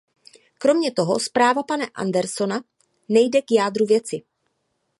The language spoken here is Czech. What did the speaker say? Kromě toho zpráva pana Anderssona nejde k jádru věci.